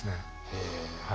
へえ。